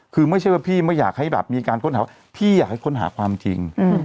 คือไม่ใช่ว่าพี่ไม่อยากให้แบบมีการค้นหาว่าพี่อยากให้ค้นหาความจริง